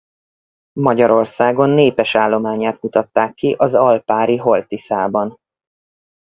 Magyarországon népes állományát mutatták ki az Alpári-Holt-Tiszában.